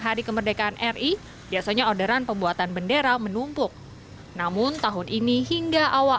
hari kemerdekaan ri biasanya orderan pembuatan bendera menumpuk namun tahun ini hingga awal